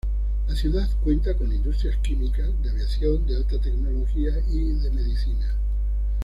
La ciudad cuenta con industrias químicas, de aviación, de alta tecnología y de medicina.